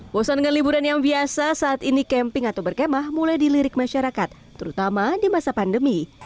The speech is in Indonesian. bosan dengan liburan yang biasa saat ini camping atau berkemah mulai dilirik masyarakat terutama di masa pandemi